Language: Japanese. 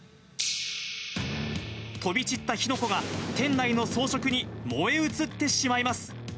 飛び散った火の粉が、店内の装飾に燃え移ってしまいます。